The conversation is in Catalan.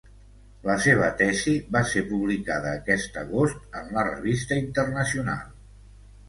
La seva tesi va ser publicada aquest agost en la Revista Internacional.